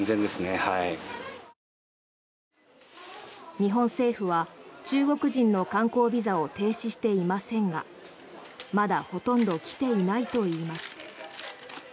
日本政府は中国人の観光ビザを停止していませんがまだほとんど来ていないといいます。